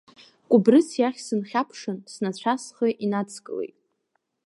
Кәыбрыц иахь сынхьаԥшын, снацәа схы инадскылеит.